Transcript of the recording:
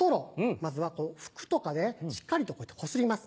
まずは服とかでしっかりとこすります。